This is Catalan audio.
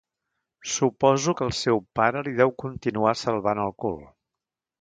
Suposo que el seu pare li deu continuar salvant el cul.